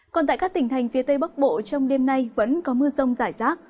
còn tại các tỉnh thành phía tây bắc bộ trong đêm nay vẫn có mưa rông rải rác